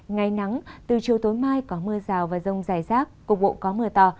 ngày nắng từ chiều tối mai có mưa rào và rông dài rác cục bộ có mưa to